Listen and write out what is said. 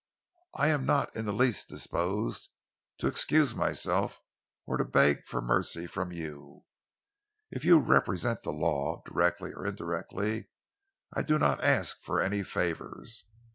I am not in the least disposed to excuse myself or to beg for mercy from you. If you represent the law, directly or indirectly, I do not ask for any favours.